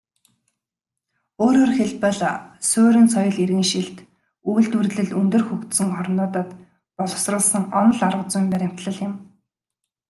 Өөрөөр хэлбэл, суурин соёл иргэншилт, үйлдвэрлэл өндөр хөгжсөн орнуудад боловсруулсан онол аргазүйн баримтлал юм.